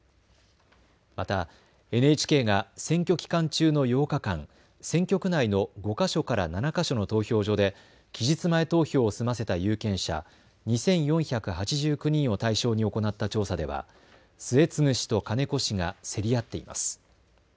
またＮＨＫが選挙期間中の８日間、選挙区内の５か所から７か所の投票所で期日前投票を済ませた有権者２４８９人を対象に行った調査では末次氏と金子氏が競り合っています。